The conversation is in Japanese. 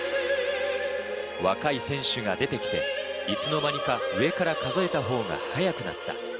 若い選手が出て来ていつの間にか上から数えたほうが早くなった。